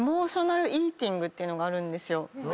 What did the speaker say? ていうのがあるんですよ。